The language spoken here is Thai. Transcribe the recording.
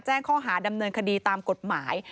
แจ้งข้อหาดำเนินคดีตามกฎหมาย